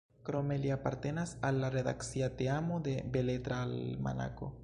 Krome, li apartenas al la redakcia teamo de Beletra Almanako.